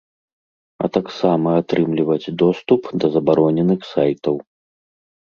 А таксама атрымліваць доступ да забароненых сайтаў.